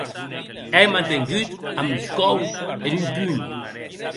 È mantengut a Moscòu en un punh!